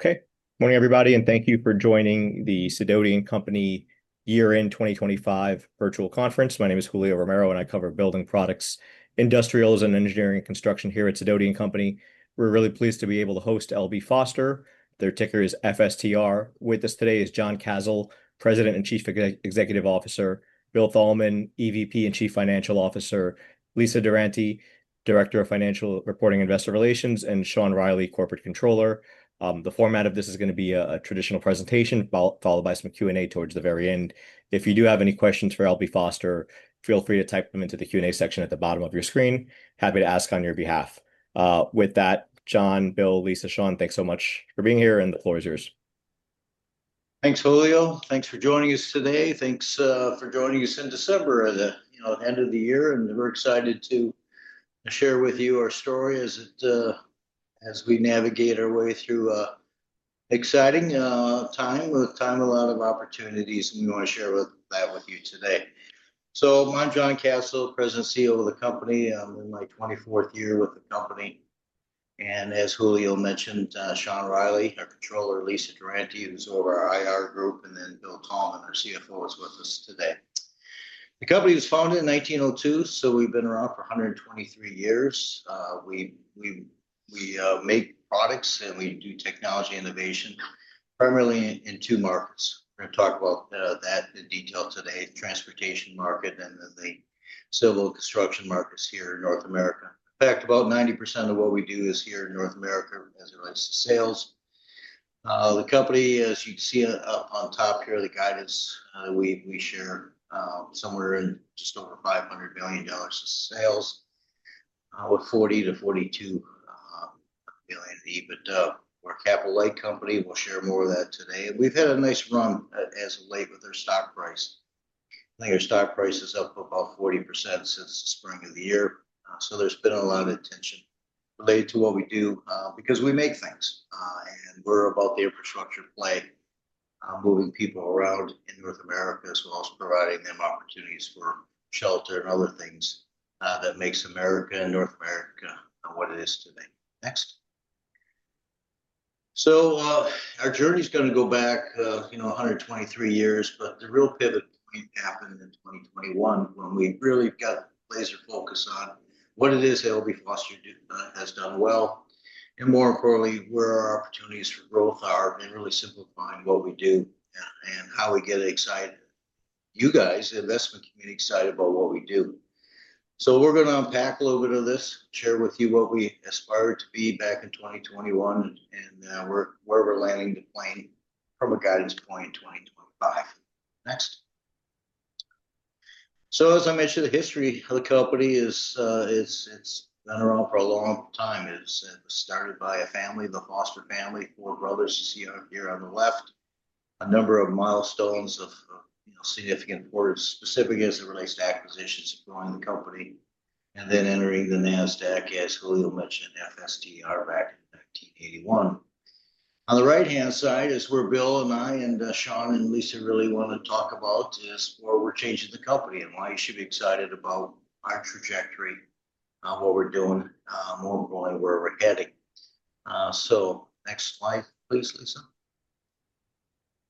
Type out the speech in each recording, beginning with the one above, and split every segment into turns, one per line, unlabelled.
Okay. Morning, everybody, and thank you for joining the Sidoti & Company Year-In 2025 Virtual Conference. My name is Julio Romero, and I cover building products, industrials, and engineering and construction here at Sidoti & Company. We're really pleased to be able to host L.B. Foster. Their ticker is FSTR. With us today is John Kasel, President and Chief Executive Officer, Bill Thalman, EVP and Chief Financial Officer, Lisa Durante, Director of Financial Reporting and Investor Relations, and Sean Riley, Corporate Controller. The format of this is going to be a traditional presentation followed by some Q&A towards the very end. If you do have any questions for L.B. Foster, feel free to type them into the Q&A section at the bottom of your screen. Happy to ask on your behalf. With that, John, Bill, Lisa, Sean, thanks so much for being here, and the floor is yours.
Thanks, Julio. Thanks for joining us today. Thanks for joining us in December at the end of the year, and we're excited to share with you our story as we navigate our way through exciting times with a lot of opportunities. We want to share that with you today. So I'm John Kasel, President CEO of the company. I'm in my 24th year with the company. And as Julio mentioned, Sean Riley, our Controller, Lisa Durante, who's over our IR group, and then Bill Thalman, our CFO, is with us today. The company was founded in 1902, so we've been around for 123 years. We make products, and we do technology innovation primarily in two markets. We're going to talk about that in detail today: the transportation market and the civil construction markets here in North America. In fact, about 90% of what we do is here in North America as it relates to sales. The company, as you can see up on top here, the guidance we share, somewhere in just over $500 million in sales, with $40-42 million EBITDA. We're a capital-light company. We'll share more of that today. We've had a nice run as of late with our stock price. I think our stock price is up about 40% since the spring of the year. So there's been a lot of attention related to what we do because we make things, and we're about the infrastructure play moving people around in North America as well as providing them opportunities for shelter and other things that make America and North America what it is today. Next. So our journey is going to go back 123 years, but the real pivot happened in 2021 when we really got laser focus on what it is L.B. Foster has done well, and more importantly, where our opportunities for growth are and really simplifying what we do and how we get excited, you guys, the investment community, excited about what we do, so we're going to unpack a little bit of this, share with you what we aspired to be back in 2021 and where we're landing the plane from a guidance point in 2025. Next, so as I mentioned, the history of the company has been around for a long time. It was started by a family, the Foster family, four brothers here on the left, a number of milestones of significant importance, specific as it relates to acquisitions and growing the company, and then entering the NASDAQ, as Julio mentioned, FSTR back in 1981. On the right-hand side is where Bill and I and Sean and Lisa really want to talk about is where we're changing the company and why you should be excited about our trajectory, what we're doing, more importantly, where we're heading. So next slide, please, Lisa.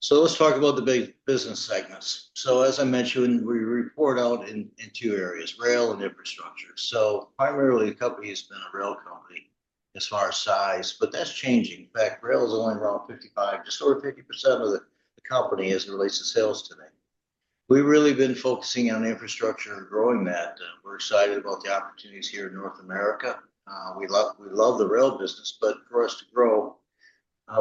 So let's talk about the big business segments. So as I mentioned, we report out in two areas: rail and infrastructure. So primarily, the company has been a rail company as far as size, but that's changing. In fact, rail is only around 55%, just over 50% of the company as it relates to sales today. We've really been focusing on infrastructure and growing that. We're excited about the opportunities here in North America. We love the rail business, but for us to grow,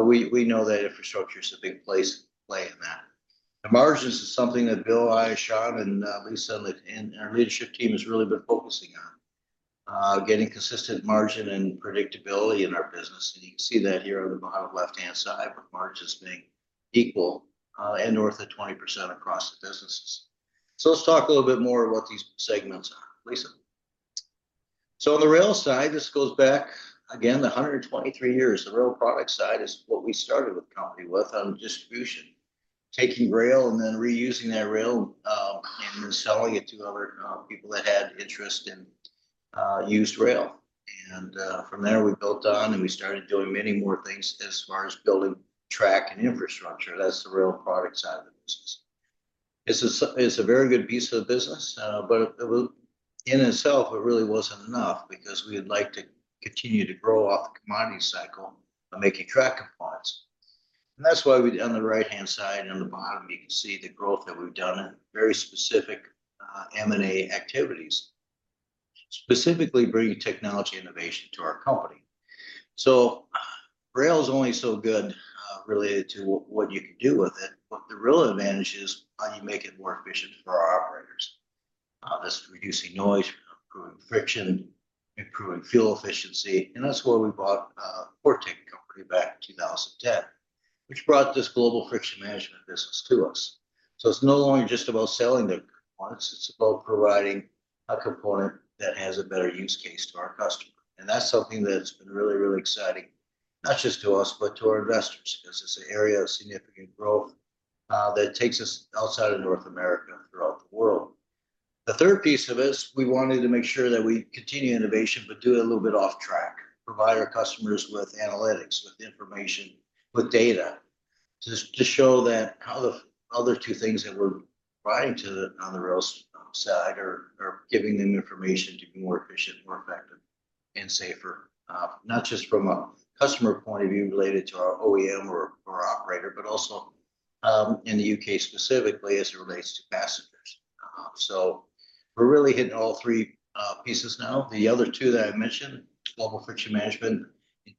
we know that infrastructure is a big place to play in that. The margins is something that Bill, I, Sean, and Lisa, and our leadership team have really been focusing on: getting consistent margin and predictability in our business, and you can see that here on the bottom left-hand side with margins being equal and north of 20% across the businesses. So let's talk a little bit more of what these segments are, Lisa, so on the rail side, this goes back, again, 123 years. The rail product side is what we started with the company with on distribution, taking rail and then reusing that rail and then selling it to other people that had interest in used rail. And from there, we built on and we started doing many more things as far as building track and infrastructure. That's the rail product side of the business. It's a very good piece of the business, but in itself, it really wasn't enough because we would like to continue to grow off the commodity cycle of making track components. And that's why on the right-hand side and the bottom, you can see the growth that we've done in very specific M&A activities, specifically bringing technology innovation to our company. So rail is only so good related to what you can do with it, but the real advantage is how you make it more efficient for our operators. This is reducing noise, improving friction, improving fuel efficiency. And that's why we bought Portec Rail Products back in 2010, which brought this Global Friction Management business to us. It's no longer just about selling the components. It's about providing a component that has a better use case to our customer. And that's something that's been really, really exciting, not just to us, but to our investors because it's an area of significant growth that takes us outside of North America throughout the world. The third piece of it is we wanted to make sure that we continue innovation, but do it a little bit off track, provide our customers with analytics, with information, with data to show that the other two things that we're providing on the rail side are giving them information to be more efficient, more effective, and safer, not just from a customer point of view related to our OEM or operator, but also in the U.K. specifically as it relates to passengers. We're really hitting all three pieces now. The other two that I mentioned, Global Friction Management and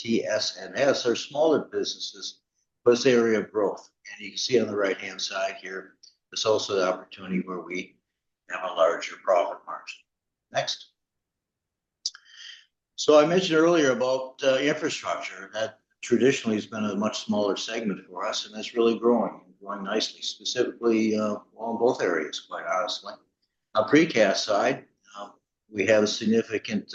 TSNS, are smaller businesses, but it's an area of growth. And you can see on the right-hand side here, it's also the opportunity where we have a larger profit margin. Next. So I mentioned earlier about infrastructure. That traditionally has been a much smaller segment for us, and that's really growing nicely, specifically on both areas, quite honestly. On precast side, we have a significant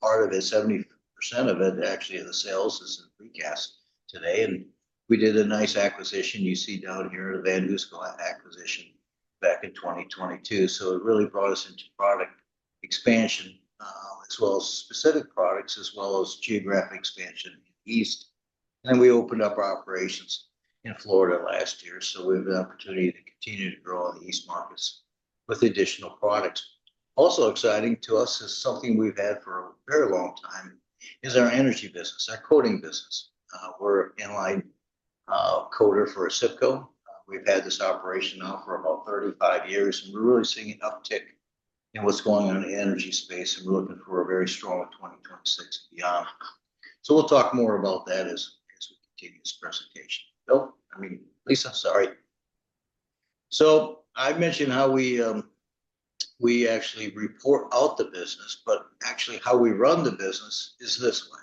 part of it, 70% of it, actually, of the sales is in precast today. And we did a nice acquisition. You see down here the VanHooseCo acquisition back in 2022. So it really brought us into product expansion as well as specific products as well as geographic expansion in the east. And then we opened up our operations in Florida last year. So we have an opportunity to continue to grow in the east markets with additional products. Also exciting to us is something we've had for a very long time is our energy business, our coating business. We're an inline coater for ACIPCO. We've had this operation now for about 35 years, and we're really seeing an uptick in what's going on in the energy space, and we're looking for a very strong 2026 beyond. So we'll talk more about that as we continue this presentation. Nope. I mean, Lisa, sorry. So I mentioned how we actually report out the business, but actually how we run the business is this way.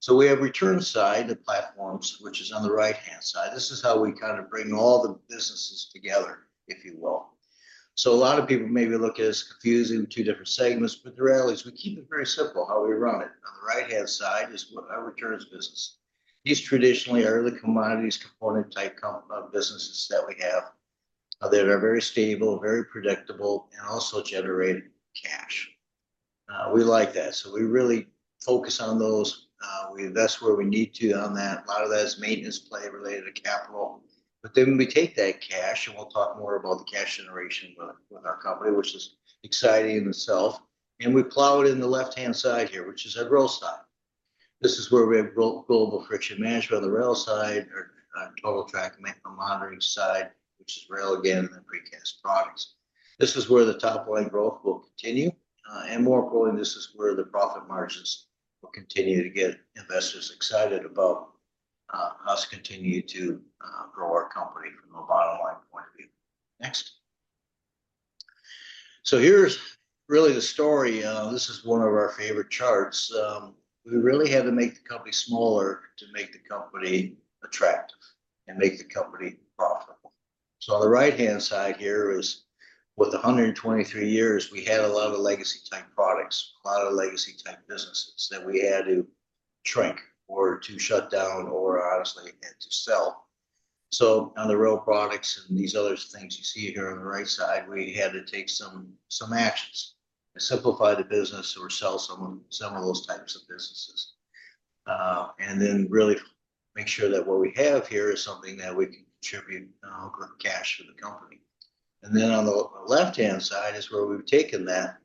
So we have return side and platforms, which is on the right-hand side. This is how we kind of bring all the businesses together, if you will. So a lot of people maybe look at it as confusing two different segments, but the reality is we keep it very simple how we run it. On the right-hand side is our returns business. These traditionally are the commodities component type businesses that we have that are very stable, very predictable, and also generate cash. We like that. So we really focus on those. We invest where we need to on that. A lot of that is maintenance play related to capital. But then we take that cash, and we'll talk more about the cash generation with our company, which is exciting in itself. And we plow it in the left-hand side here, which is our growth side. This is where we have Global Friction Management on the rail side, our Total Track Monitoring side, which is rail again, and then precast products. This is where the top line growth will continue. And more importantly, this is where the profit margins will continue to get investors excited about us continuing to grow our company from a bottom line point of view. Next. So here's really the story. This is one of our favorite charts. We really had to make the company smaller to make the company attractive and make the company profitable. So on the right-hand side here is with 123 years, we had a lot of legacy-type products, a lot of legacy-type businesses that we had to shrink or to shut down or honestly had to sell. So on the Rail Products and these other things you see here on the right side, we had to take some actions to simplify the business or sell some of those types of businesses and then really make sure that what we have here is something that we can contribute cash to the company. And then on the left-hand side is where we've taken that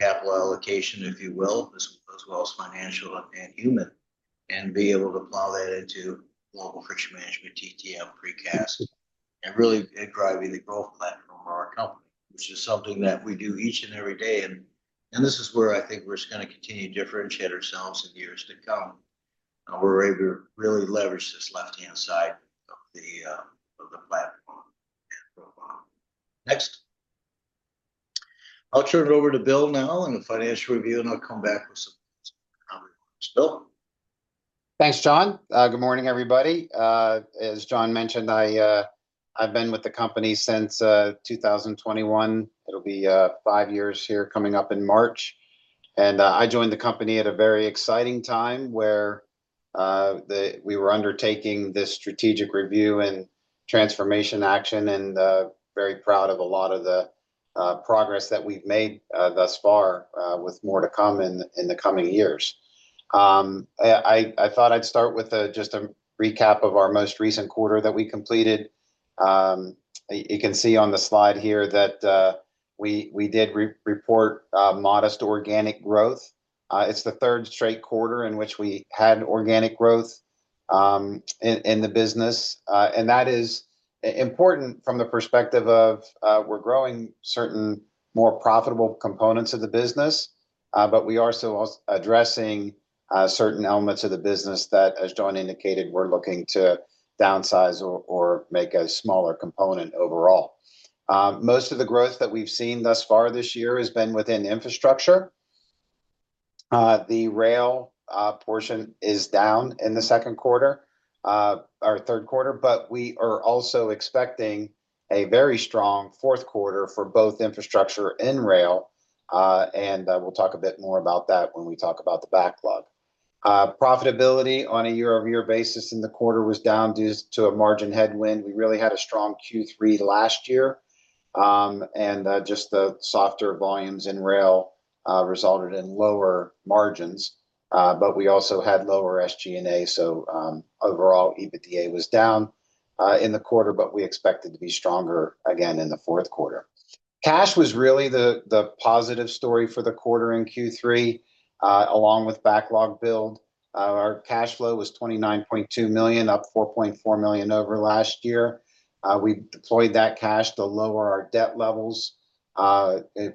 capital allocation, if you will, as well as financial and human, and be able to plow that into Global Friction Management, TTM, Precast, and really driving the growth platform of our company, which is something that we do each and every day. And this is where I think we're just going to continue to differentiate ourselves in years to come. We're able to really leverage this left-hand side of the platform. Next. I'll turn it over to Bill now and the financial review, and I'll come back with some comments. Bill.
Thanks, John. Good morning, everybody. As John mentioned, I've been with the company since 2021. It'll be five years here coming up in March, and I joined the company at a very exciting time where we were undertaking this strategic review and transformation action, and very proud of a lot of the progress that we've made thus far with more to come in the coming years. I thought I'd start with just a recap of our most recent quarter that we completed. You can see on the slide here that we did report modest organic growth. It's the third straight quarter in which we had organic growth in the business. And that is important from the perspective of we're growing certain more profitable components of the business, but we are still addressing certain elements of the business that, as John indicated, we're looking to downsize or make a smaller component overall. Most of the growth that we've seen thus far this year has been within infrastructure. The rail portion is down in the second quarter, our third quarter, but we are also expecting a very strong fourth quarter for both infrastructure and rail. And we'll talk a bit more about that when we talk about the backlog. Profitability on a year-over-year basis in the quarter was down due to a margin headwind. We really had a strong Q3 last year, and just the softer volumes in rail resulted in lower margins. But we also had lower SG&A. So overall, EBITDA was down in the quarter, but we expected to be stronger again in the fourth quarter. Cash was really the positive story for the quarter in Q3, along with backlog build. Our cash flow was $29.2 million, up $4.4 million over last year. We deployed that cash to lower our debt levels.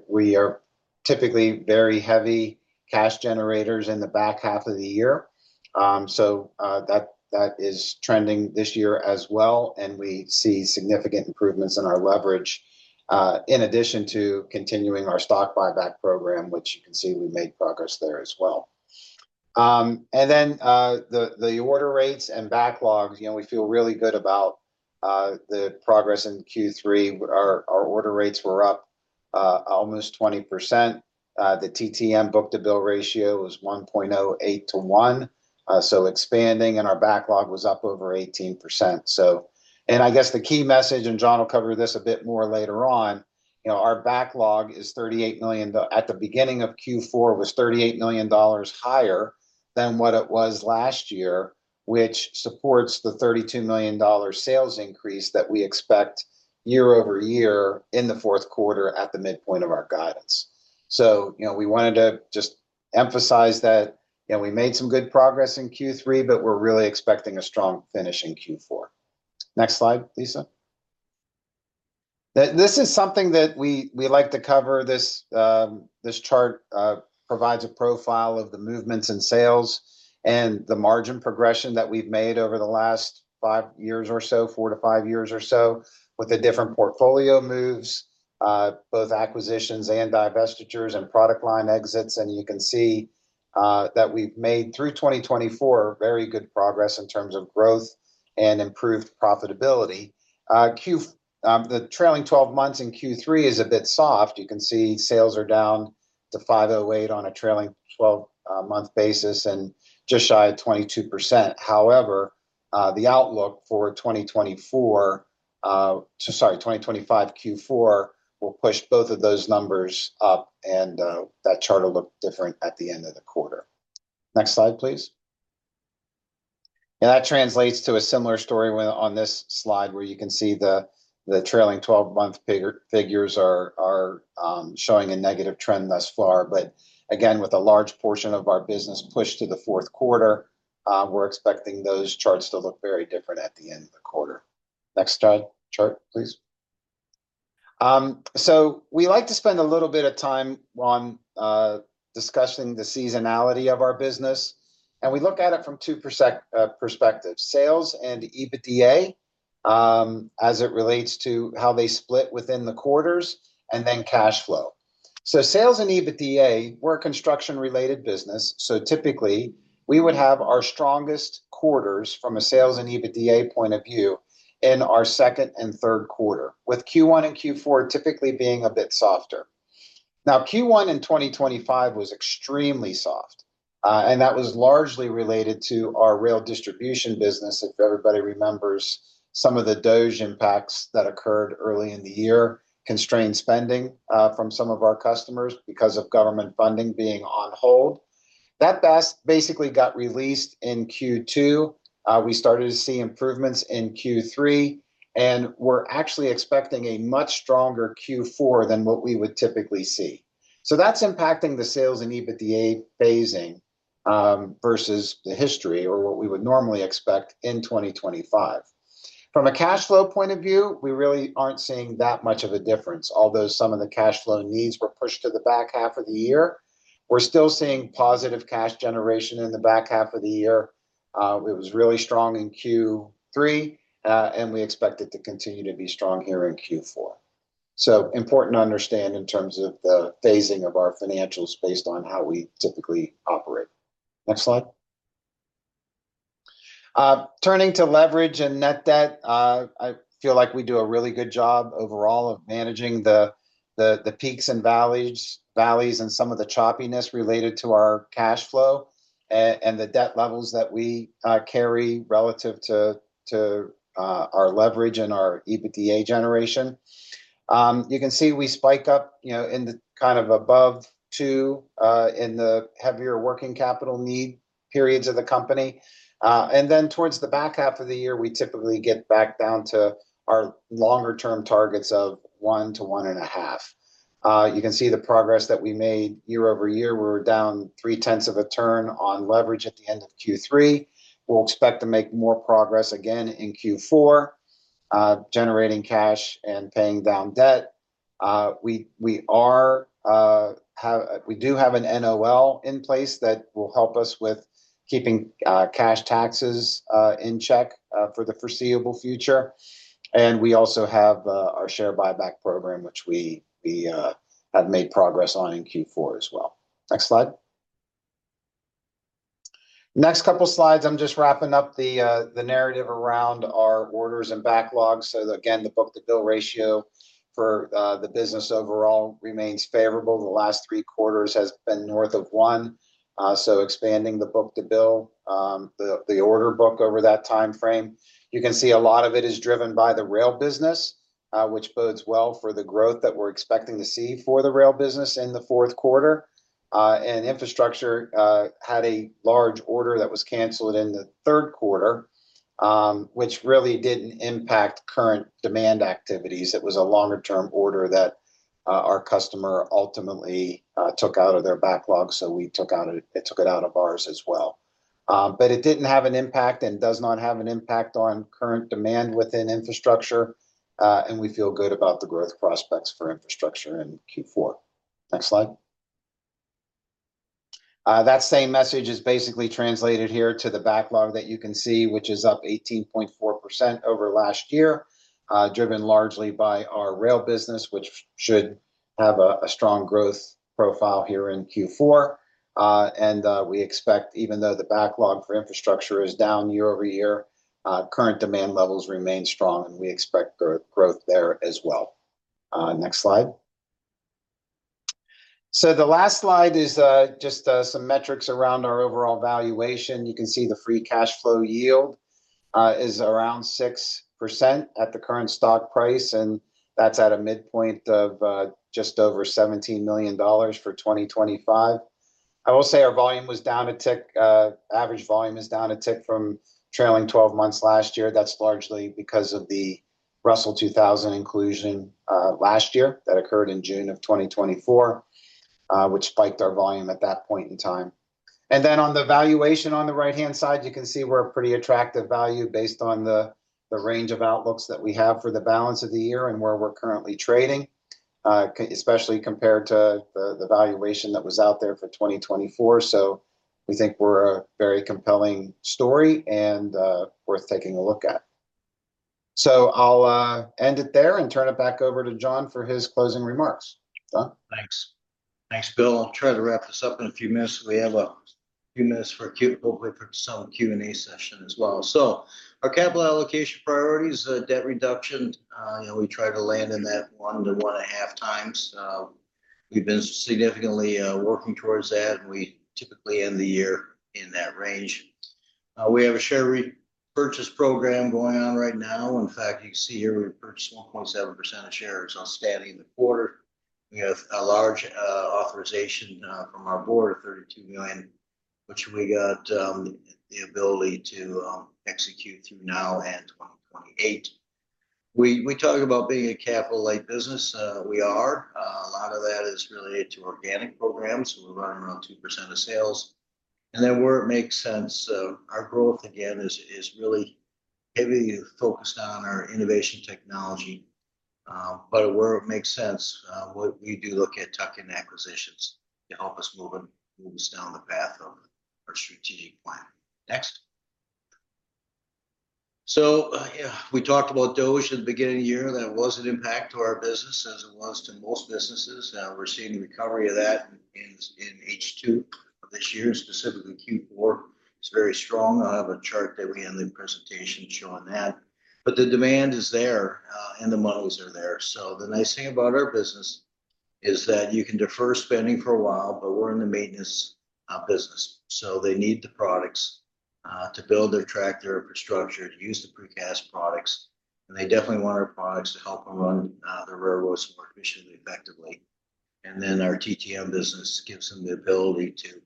We are typically very heavy cash generators in the back half of the year. So that is trending this year as well. And we see significant improvements in our leverage in addition to continuing our stock buyback program, which you can see we made progress there as well. And then the order rates and backlog, we feel really good about the progress in Q3. Our order rates were up almost 20%. The TTM book-to-bill ratio was 1.08-1, so expanding, and our backlog was up over 18%. And I guess the key message, and John will cover this a bit more later on, our backlog is $38 million. At the beginning of Q4, it was $38 million higher than what it was last year, which supports the $32 million sales increase that we expect year-over-year in the fourth quarter at the midpoint of our guidance. So we wanted to just emphasize that we made some good progress in Q3, but we're really expecting a strong finish in Q4. Next slide, Lisa. This is something that we like to cover. This chart provides a profile of the movements in sales and the margin progression that we've made over the last five years or so, four-to-five years or so, with the different portfolio moves, both acquisitions and divestitures and product line exits. And you can see that we've made through 2024 very good progress in terms of growth and improved profitability. The trailing 12 months in Q3 is a bit soft. You can see sales are down to $508 on a trailing 12-month basis and just shy of 22%. However, the outlook for 2024, sorry, 2025 Q4 will push both of those numbers up, and that chart will look different at the end of the quarter. Next slide, please. And that translates to a similar story on this slide where you can see the trailing 12-month figures are showing a negative trend thus far. But again, with a large portion of our business pushed to the fourth quarter, we're expecting those charts to look very different at the end of the quarter. Next chart, please. So we like to spend a little bit of time on discussing the seasonality of our business. And we look at it from two perspectives: sales and EBITDA as it relates to how they split within the quarters, and then cash flow. So sales and EBITDA were a construction-related business. So typically, we would have our strongest quarters from a sales and EBITDA point of view in our second and third quarter, with Q1 and Q4 typically being a bit softer. Now, Q1 in 2025 was extremely soft. And that was largely related to our rail distribution business. If everybody remembers some of the DOGE impacts that occurred early in the year, constrained spending from some of our customers because of government funding being on hold. That basically got released in Q2. We started to see improvements in Q3, and we're actually expecting a much stronger Q4 than what we would typically see. So that's impacting the sales and EBITDA phasing versus the history or what we would normally expect in 2025. From a cash flow point of view, we really aren't seeing that much of a difference, although some of the cash flow needs were pushed to the back half of the year. We're still seeing positive cash generation in the back half of the year. It was really strong in Q3, and we expect it to continue to be strong here in Q4. So important to understand in terms of the phasing of our financials based on how we typically operate. Next slide. Turning to leverage and net debt, I feel like we do a really good job overall of managing the peaks and valleys and some of the choppiness related to our cash flow and the debt levels that we carry relative to our leverage and our EBITDA generation. You can see we spike up in the kind of above two in the heavier working capital need periods of the company. And then towards the back half of the year, we typically get back down to our longer-term targets of one to one and a half. You can see the progress that we made year-over-year. We were down three-tenths of a turn on leverage at the end of Q3. We'll expect to make more progress again in Q4, generating cash and paying down debt. We do have an NOL in place that will help us with keeping cash taxes in check for the foreseeable future. And we also have our share buyback program, which we have made progress on in Q4 as well. Next slide. Next couple of slides. I'm just wrapping up the narrative around our orders and backlog. So again, the book-to-bill ratio for the business overall remains favorable. The last three quarters has been north of one. So expanding the book-to-bill, the order book over that time frame. You can see a lot of it is driven by the rail business, which bodes well for the growth that we're expecting to see for the rail business in the fourth quarter. And infrastructure had a large order that was canceled in the third quarter, which really didn't impact current demand activities. It was a longer-term order that our customer ultimately took out of their backlog. So we took it out of ours as well. But it didn't have an impact and does not have an impact on current demand within infrastructure. And we feel good about the growth prospects for infrastructure in Q4. Next slide. That same message is basically translated here to the backlog that you can see, which is up 18.4% over last year, driven largely by our rail business, which should have a strong growth profile here in Q4, and we expect, even though the backlog for infrastructure is down year-over-year, current demand levels remain strong, and we expect growth there as well. Next slide, so the last slide is just some metrics around our overall valuation. You can see the free cash flow yield is around 6% at the current stock price, and that's at a midpoint of just over $17 million for 2025. I will say our volume was down a tick. Average volume is down a tick from trailing 12 months last year. That's largely because of the Russell 2000 inclusion last year that occurred in June of 2024, which spiked our volume at that point in time. And then on the valuation on the right-hand side, you can see we're a pretty attractive value based on the range of outlooks that we have for the balance of the year and where we're currently trading, especially compared to the valuation that was out there for 2024. So we think we're a very compelling story and worth taking a look at. So I'll end it there and turn it back over to John for his closing remarks. Thanks.
Thanks, Bill. I'll try to wrap this up in a few minutes. We have a few minutes for a Q and A session as well. So our capital allocation priorities, debt reduction, we try to land in that 1-1.5 times. We've been significantly working towards that. We typically end the year in that range. We have a share purchase program going on right now. In fact, you can see here we purchased 1.7% of shares outstanding in the quarter. We have a large authorization from our board of $32 million, which we got the ability to execute through 2025 and 2028. We talk about being a capital-light business. We are. A lot of that is related to organic programs. We're running around 2% of sales. And then where it makes sense, our growth, again, is really heavily focused on our innovation technology. But where it makes sense, we do look at tuck-in acquisitions to help us move us down the path of our strategic plan. Next. So we talked about DOGE at the beginning of the year. That was an impact to our business as it was to most businesses. We're seeing recovery of that in H2 of this year, specifically Q4. It's very strong. I have a chart that we had in the presentation showing that. But the demand is there, and the models are there. So the nice thing about our business is that you can defer spending for a while, but we're in the maintenance business. So they need the products to build their track infrastructure, to use the precast products. And they definitely want our products to help them run their railroads more efficiently, effectively. And then our TTM business gives them the ability to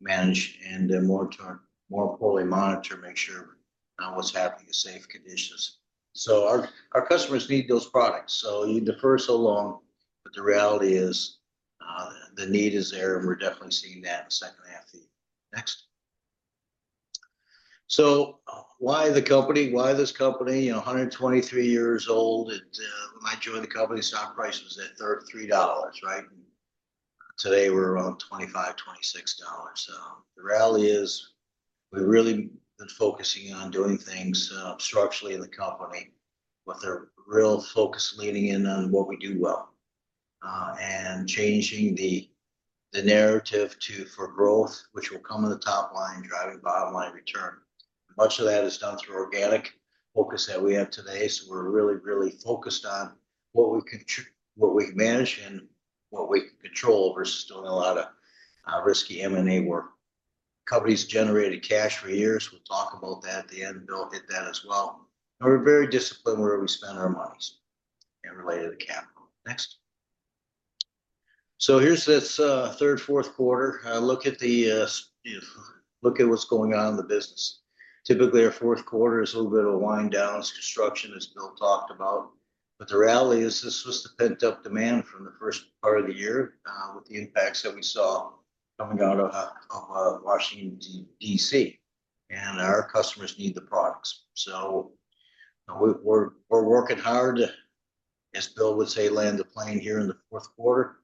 manage and remotely monitor, make sure what's happening in safe conditions. So our customers need those products. So you defer so long, but the reality is the need is there, and we're definitely seeing that in the second half of the year. Next. So why the company? Why this company? 123 years old. When I joined the company, stock price was at $3, right? Today, we're around $25, $26. The reality is we've really been focusing on doing things structurally in the company with a real focus leading in on what we do well and changing the narrative for growth, which will come in the top line, driving bottom line return. Much of that is done through organic focus that we have today. So we're really, really focused on what we can manage and what we can control versus doing a lot of risky M&A work. Companies generated cash for years. We'll talk about that at the end. We'll hit that as well. We're very disciplined where we spend our money and related to capital. Next. So here's this third, fourth quarter. Look at what's going on in the business. Typically, our fourth quarter is a little bit of a wind down as construction, as Bill talked about, but the reality is this was the pent-up demand from the first part of the year with the impacts that we saw coming out of Washington, D.C., and our customers need the products, so we're working hard, as Bill would say, land the plane here in the fourth quarter.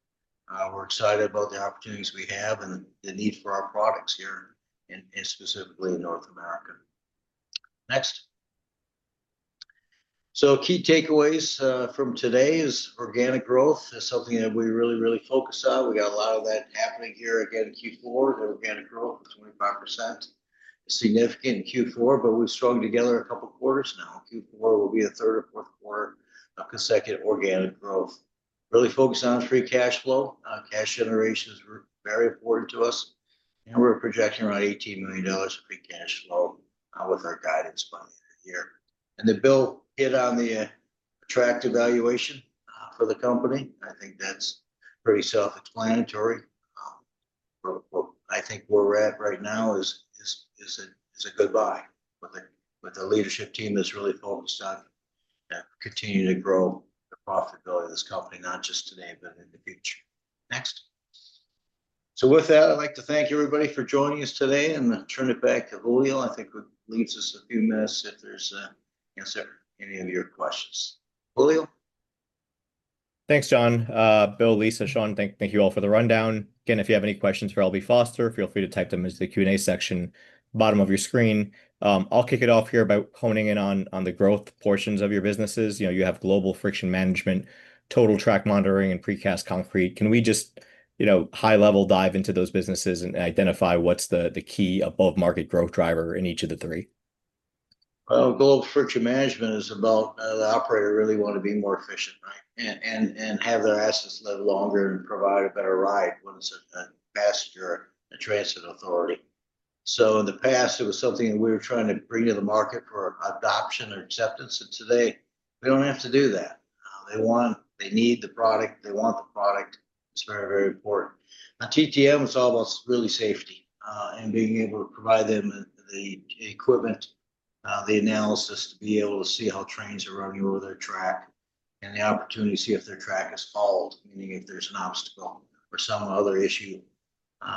We're excited about the opportunities we have and the need for our products here and specifically in North America. Next, so key takeaways from today is organic growth is something that we really, really focus on. We got a lot of that happening here again in Q4. The organic growth is 25%. It's significant in Q4, but we've strung together a couple of quarters now. Q4 will be a third or fourth quarter of consecutive organic growth. Really focus on free cash flow. Cash generation is very important to us. And we're projecting around $18 million of free cash flow with our guidance money here. And the bill hit on the attractive valuation for the company. I think that's pretty self-explanatory. I think where we're at right now is a good buy. But the leadership team is really focused on continuing to grow the profitability of this company, not just today, but in the future. Next. So with that, I'd like to thank everybody for joining us today and turn it back to Julio. I think it leaves us a few minutes if there's any of your questions. Julio.
Thanks, John, Bill, Lisa, Sean. Thank you all for the rundown. Again, if you have any questions for L.B. Foster, feel free to type them into the Q&A section bottom of your screen. I'll kick it off here by honing in on the growth portions of your businesses. You have Global Friction Management, Total Track Monitoring, and Precast Concrete. Can we just high-level dive into those businesses and identify what's the key above-market growth driver in each of the three?
Well, Global Friction Management is about the operator really wanting to be more efficient, right, and have their assets live longer and provide a better ride when it's a passenger transit authority. So in the past, it was something that we were trying to bring to the market for adoption or acceptance. And today, we don't have to do that. They need the product. They want the product. It's very, very important. Now, TTM is all about really safety and being able to provide them the equipment, the analysis to be able to see how trains are running over their track and the opportunity to see if their track has fallen, meaning if there's an obstacle or some other issue.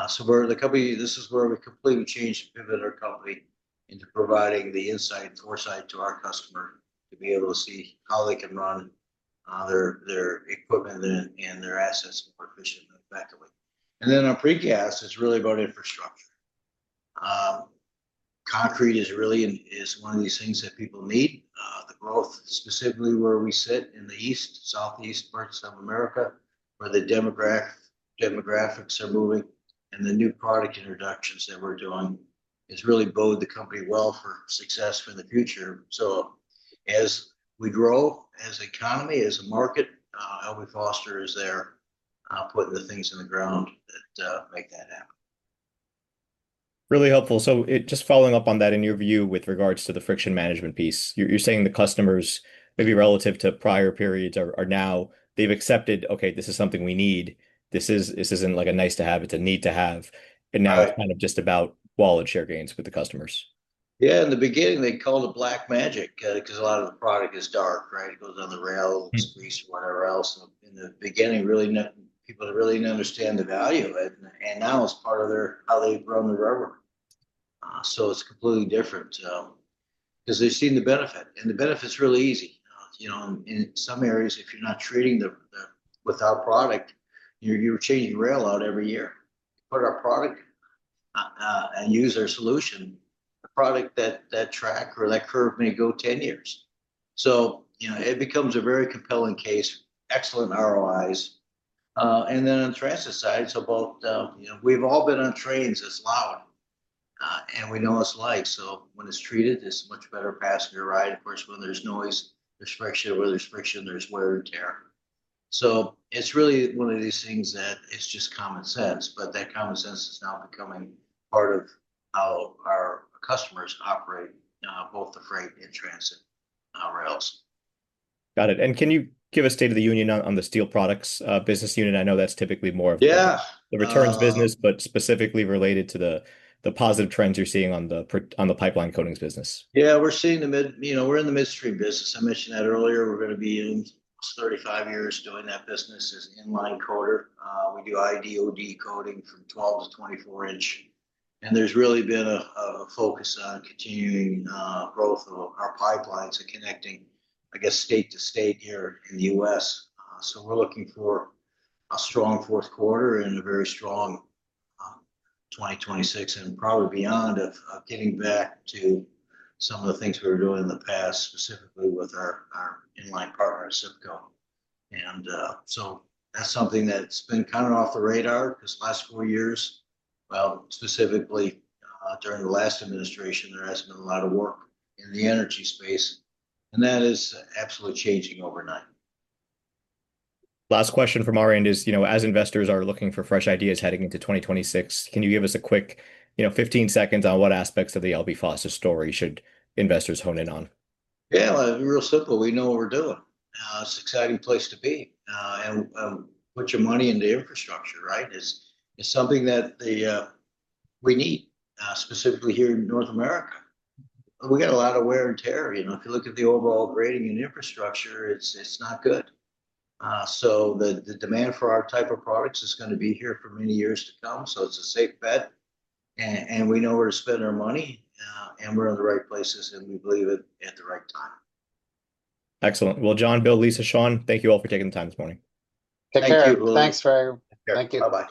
This is where we completely changed and pivoted our company into providing the insight foresight to our customer to be able to see how they can run their equipment and their assets more efficiently and effectively. Our precast is really about infrastructure. Concrete is really one of these things that people need. The growth, specifically where we sit in the east, southeast parts of America where the demographics are moving and the new product introductions that we're doing, has really poised the company well for success for the future. As we grow as an economy, as a market, L.B. Foster is there putting the things in the ground that make that happen.
Really helpful, so just following up on that, in your view with regards to the friction management piece, you're saying the customers, maybe relative to prior periods, are now, they've accepted, "Okay, this is something we need. This isn't like a nice-to-have. It's a need-to-have," and now it's kind of just about wallet share gains with the customers.
Yeah. In the beginning, they called it black magic because a lot of the product is dark, right? It goes on the rail, squeeze whatever else. In the beginning, people really didn't understand the value of it, and now it's part of how they run the railroad, so it's completely different because they've seen the benefit, and the benefit's really easy. In some areas, if you're not treating the without product, you're changing rail out every year. Put our product and use our solution. The product that track or that curve may go 10 years, so it becomes a very compelling case, excellent ROIs, and then on the transit side, it's about. We've all been on trains. It's loud, and we know it's loud. So when it's treated, it's a much better passenger ride. Of course, when there's noise, there's friction. When there's friction, there's wear and tear. So it's really one of these things that it's just common sense. But that common sense is now becoming part of how our customers operate, both the freight and transit rails.
Got it. And can you give a State of the Union on the steel products business unit? I know that's typically more of the returns business, but specifically related to the positive trends you're seeing on the pipeline coatings business.
Yeah. We're seeing the midstream business. I mentioned that earlier. We're going to be in 35 years doing that business as inline coater. We do ID/OD coating from 12- to 24-inch. And there's really been a focus on continuing growth of our pipelines and connecting, I guess, state-to-state here in the U.S. So we're looking for a strong fourth quarter and a very strong 2026 and probably beyond of getting back to some of the things we were doing in the past, specifically with our inline partner, ACIPCO. And so that's something that's been kind of off the radar because the last four years, well, specifically during the last administration, there has been a lot of work in the energy space. And that is absolutely changing overnight.
Last question from our end is, as investors are looking for fresh ideas heading into 2026, can you give us a quick 15 seconds on what aspects of the L.B. Foster story should investors hone in on?
Yeah. Real simple. We know what we're doing. It's an exciting place to be, and put your money into infrastructure, right, is something that we need, specifically here in North America. We got a lot of wear and tear. If you look at the overall grading and infrastructure, it's not good, so the demand for our type of products is going to be here for many years to come, so it's a safe bet, and we know where to spend our money, and we're in the right places, and we believe it at the right time.
Excellent. Well, John, Bill, Lisa, Sean, thank you all for taking the time this morning.
Take care.
Thank you.
Thanks for.
Thank you.